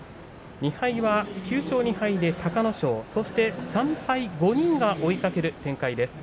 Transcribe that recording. ２敗は９勝２敗で隆の勝３敗５人が追いかける展開です。